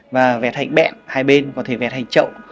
và vẹt hành bẹn hai bên có thể vẹt hành chậu